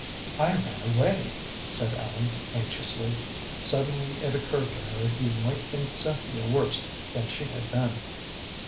"I ran away," said Ellen, anxiously. Suddenly it occurred to her he might think Cynthia worse than she had been.